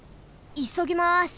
いそぎます。